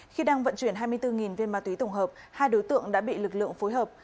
khi đang vận chuyển hai mươi bốn viên ma túy tổng hợp hai đối tượng đã bị lực lượng phối hợp